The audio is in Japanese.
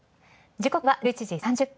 時刻は１１時３０分。